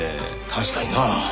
確かにな。